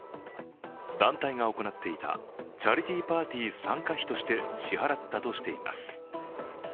団体が行っていたチャリティーパーティー参加費として支払ったとしています。